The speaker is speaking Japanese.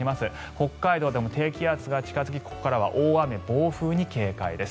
北海道でも低気圧が近付き大雨、暴風に警戒です。